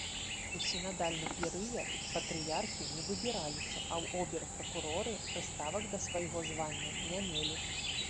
У сінадальны перыяд патрыярхі не выбіраліся, а обер-пракуроры прыставак да свайго звання не мелі.